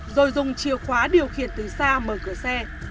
rồi dùng chìa khóa điều khiển từ xa mở cửa xe